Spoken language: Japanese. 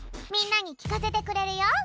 みんなにきかせてくれるよ。